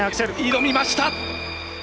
挑みました！